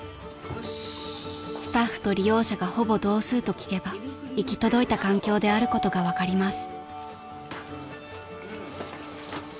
［スタッフと利用者がほぼ同数と聞けば行き届いた環境であることが分かります］